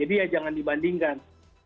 jadi ya jangan dibandingkan